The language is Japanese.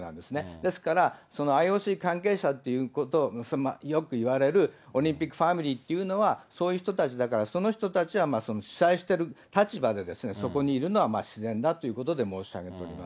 ですから、そのＩＯＣ関係者ということ、よくいわれるオリンピックファミリーというのは、そういう人たちだから、その人たちは主催している立場で、そこにいるのは自然だということで申し上げております。